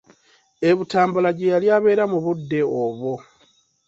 E Butambala gye yali abeera mu budde obwo.